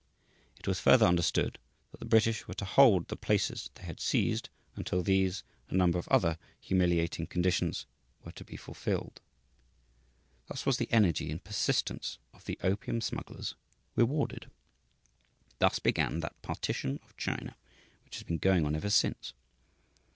It was further understood that the British were to hold the places they had seized until these and a number of other humiliating conditions were to be fulfilled. Thus was the energy and persistence of the opium smugglers rewarded. Thus began that partition of China which has been going on ever since.